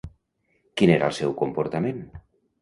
Quin era el seu comportament?